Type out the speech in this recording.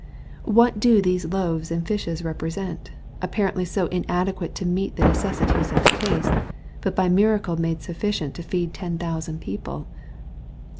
'^ What do these loaves and fishes represent, apparently so inadequate to meet the necessities of the case, but by miracle made sufficient to feed ten thousand people